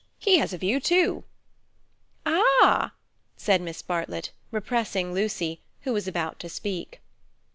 He has a view too." "Ah," said Miss Bartlett, repressing Lucy, who was about to speak.